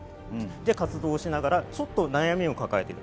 活動しながらちょっと悩みを抱えている。